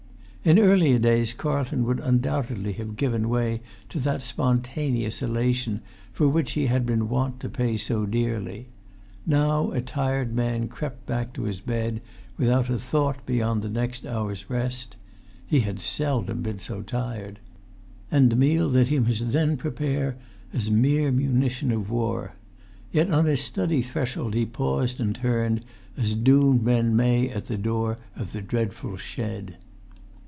In earlier days Carlton would undoubtedly have given way to that spontaneous elation for which he had been wont to pay so dearly; now a tired man crept back to his bed, without a thought beyond the next hour's rest (he had seldom been so tired), and the meal that he must then prepare as mere munition of war. Yet on his study threshold he paused and turned, as doomed men may at the door of the dreadful shed.